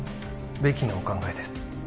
ベキのお考えです